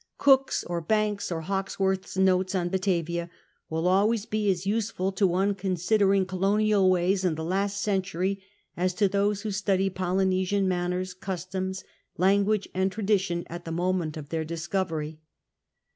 Cook's, or Banks's, or Hawkcsworth's notes on Batavia will always be as use ful to one considering colonial ways in the last century as to those who study Polynesian manners, customs, language, and tradition at the moment of their discovery.